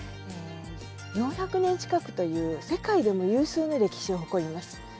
４００年近くという世界でも有数の歴史を誇ります。